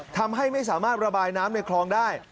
ทำให้ไม่สามารถระบายน้ำในคลองได้